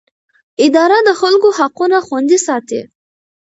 اداره د خلکو حقونه خوندي ساتي.